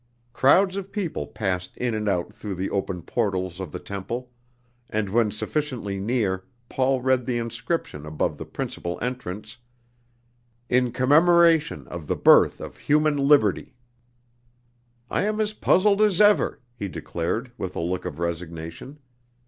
Crowds of people passed in and out through the open portals of the temple; and when sufficiently near, Paul read the inscription above the principal entrance: "In Commemoration of the Birth of Human Liberty." "I am as puzzled as ever," he declared, with a look of resignation.